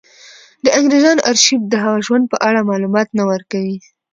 د انګرېزانو ارشیف د هغه د ژوند په اړه معلومات نه ورکوي.